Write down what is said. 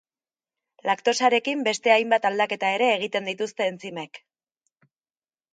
Laktosarekin beste hainbat aldaketa ere egiten dituzte entzimek.